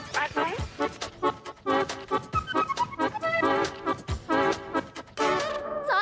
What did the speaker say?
เจ้าแทริมจอ